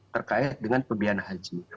terkait dengan pembiayaan haji